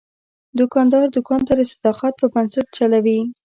دوکاندار دوکان د صداقت په بنسټ چلوي.